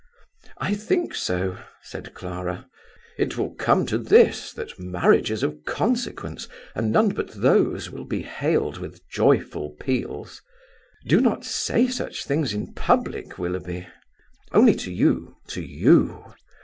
"I think so," said Clara. "It will come to this, that marriages of consequence, and none but those, will be hailed with joyful peals." "Do not say such things in public, Willoughby." "Only to you, to you!